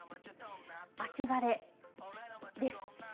秋晴れです。